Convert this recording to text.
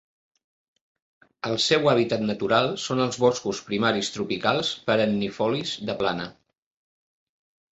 El seu hàbitat natural són els boscos primaris tropicals perennifolis de plana.